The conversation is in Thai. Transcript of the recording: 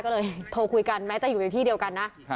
ก็เลยโทรคุยกันแม้จะอยู่ในที่เดียวกันนะ